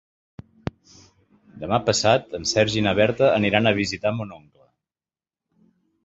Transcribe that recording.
Demà passat en Sergi i na Berta aniran a visitar mon oncle.